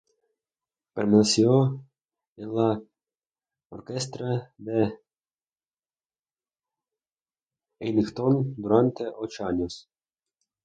Permaneció en la orquestra de Ellington durante ocho años.